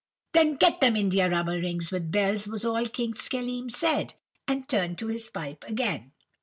"'Then get them India rubber rings with bells,' was all King Schelim said, and turned to his pipe again.